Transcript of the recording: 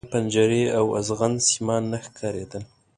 د زندان پنجرې او ازغن سیمان نه ښکارېدل.